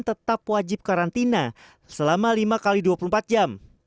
tetap wajib karantina selama lima x dua puluh empat jam